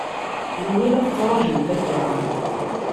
Anwa i la tettṛaǧumt akka?